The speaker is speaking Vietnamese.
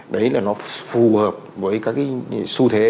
đấy là nó phù hợp với các su thế